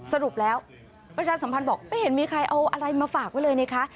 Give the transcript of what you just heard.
สรุปแล้วประชาสัมพันธ์บอกไม่เห็นมีใครเอาอะไรมาฝากไว้เลยนะคะ